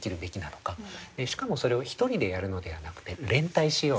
しかもそれを一人でやるのではなくて連帯しようと。